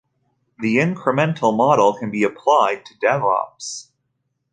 The Incremental model can be applied to DevOps.